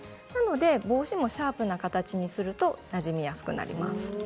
帽子もシャープな形にするとなじみやすくなります。